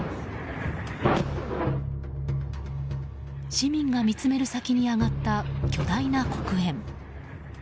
市民が見つめる先に上がった巨大な黒煙。